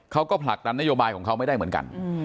ผลักดันนโยบายของเขาไม่ได้เหมือนกัน